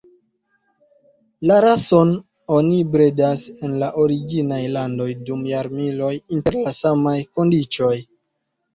La rason oni bredas en la originaj landoj dum jarmiloj inter la samaj kondiĉoj.